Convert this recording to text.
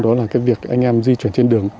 đó là cái việc anh em di chuyển trên đường